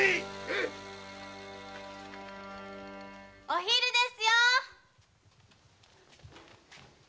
お昼ですよ。